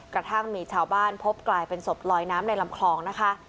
กระทั่งมีชาวบ้านพบกลายเป็นศพลอยน้ำในลำคลองนะคะ